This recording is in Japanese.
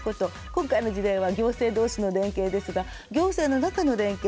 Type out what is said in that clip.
今回の事例は行政同士の連携ですが行政の中の連携。